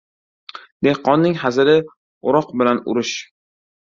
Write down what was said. • Dehqonning hazili — o‘roq bilan urish.